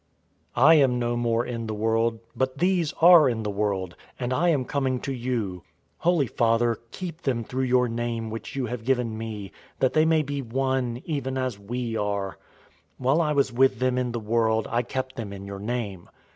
017:011 I am no more in the world, but these are in the world, and I am coming to you. Holy Father, keep them through your name which you have given me, that they may be one, even as we are. 017:012 While I was with them in the world, I kept them in your name.